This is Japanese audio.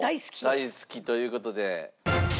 大好きという事で。